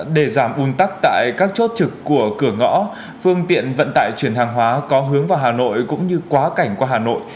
để giảm un tắc tại các chốt trực của cửa ngõ phương tiện vận tải chuyển hàng hóa có hướng vào hà nội cũng như quá cảnh qua hà nội